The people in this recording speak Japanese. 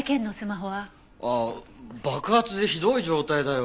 ああ爆発でひどい状態だよ。